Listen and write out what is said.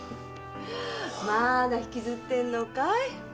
まだ引きずってんのかい？